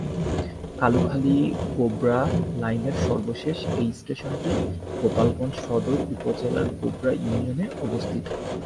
কালুখালী-গোবরা লাইনের সর্বশেষ এই স্টেশনটি গোপালগঞ্জ সদর উপজেলার গোবরা ইউনিয়নে অবস্থিত।